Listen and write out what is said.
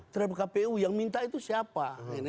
terhadap kpu yang minta itu siapa